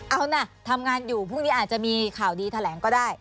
เอานะทำงานอยู่พรุ่งนี้อาจจะมีข่าวดีแถลงก็ได้